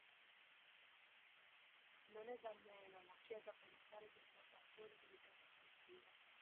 Non è da meno la chiesa parrocchiale di Rota Fuori, dedicata a San Siro.